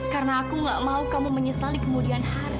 karena aku enggak mau kamu menyesali kemudian hari